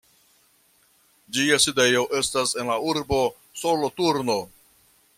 Ĝia sidejo estas en la urbo Soloturno.